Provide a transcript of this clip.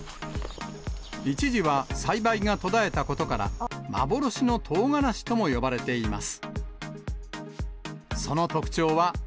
一時は栽培が途絶えたことから、幻のとうがらしとも呼ばれています。